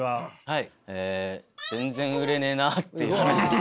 はいえ全然売れねえなぁっていう話で。